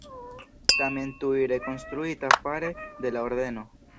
Tamen tuj rekonstruita fare de la Ordeno.